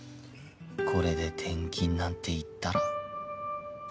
これで転勤なんて言ったら